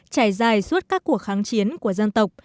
trải dài suốt các cuộc kháng chiến của dân tộc